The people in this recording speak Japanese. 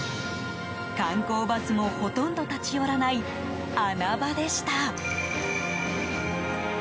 観光バスもほとんど立ち寄らない穴場でした。